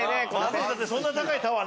そんな高いタワー